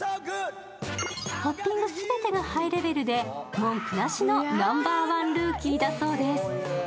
トッピングすべてがハイレベルで文句なしのナンバーワンルーキーだそうです。